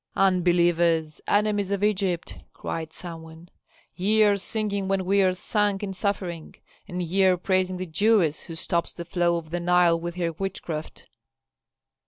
"Unbelievers! Enemies of Egypt!" cried some one. "Ye are singing when we are sunk in suffering, and ye are praising the Jewess who stops the flow of the Nile with her witchcraft."